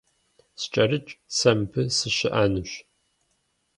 СкӀэрыкӀ, сэ мыбы сыщыӀэнущ!